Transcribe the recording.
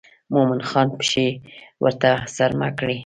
مومن خان پښې ورته څرمه کړې.